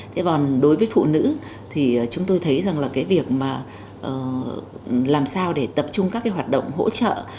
thế còn đối với phụ nữ thì chúng tôi thấy rằng là cái việc mà làm sao để tập trung các cái hoạt động hỗ trợ